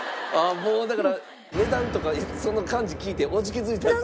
もうだから値段とかその感じ聞いておじけづいちゃって？